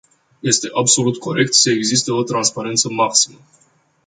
Este absolut corect să existe o transparență maximă.